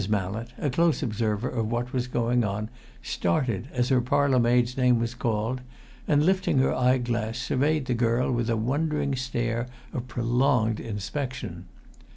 Mallett, a close observer of what was going on, started as her parlour maid's name was called, and lifting her eye glass surveyed the girl with a wondering stare of prolonged inspection.